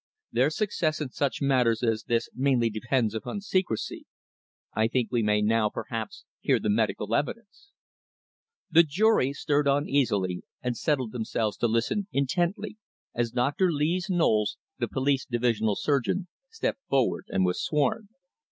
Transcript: Their success in such matters as this mainly depends upon secrecy. I think we may now, perhaps, hear the medical evidence." The jury stirred uneasily and settled themselves to listen intently as Dr. Lees Knowles, the police divisional surgeon, stepped forward and was sworn.